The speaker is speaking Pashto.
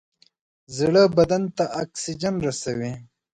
زړه بدن ته اکسیجن رسوي.